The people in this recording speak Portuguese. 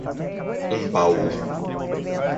Imbaú